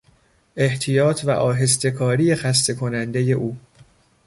احتیاط و آهسته کاری خسته کنندهی او